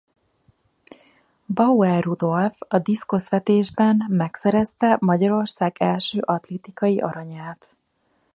Bauer Rudolf a diszkoszvetésben megszerezte Magyarország első atlétikai aranyát.